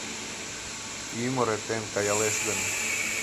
Умыр эртен каялеш гын